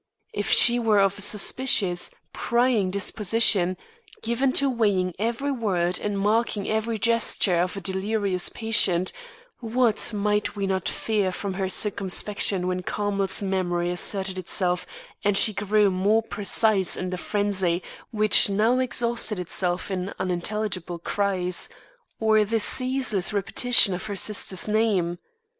If she were of a suspicious, prying disposition, given to weighing every word and marking every gesture of a delirious patient, what might we not fear from her circumspection when Carmel's memory asserted itself and she grew more precise in the frenzy which now exhausted itself in unintelligible cries, or the ceaseless repetition of her sister's name.